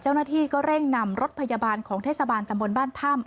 เจ้าหน้าที่ก็เร่งนำรถพยาบาลของเทศบาลตำบลบ้านถ้ำ